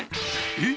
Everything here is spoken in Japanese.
えっ？